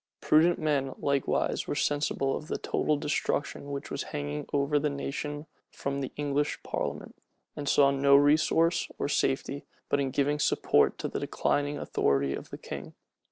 Prudent men likewise were sensible of the total destruction which was hanging over the nation from the English parliament, and saw no resource or safety but in giving support to the declining authority of the king.